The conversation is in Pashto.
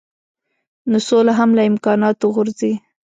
نو سوله هم له امکاناتو غورځي.